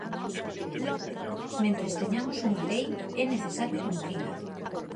Mentres teñamos unha lei é necesario cumprila.